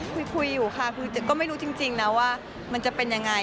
คุยอยู่ค่ะก็ไม่รู้จริงนะว่ามันจะเป็นอย่างไร